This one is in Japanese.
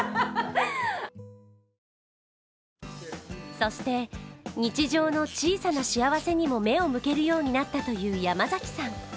そして、日常の小さな幸せにも目を向けるようになったという山崎さん。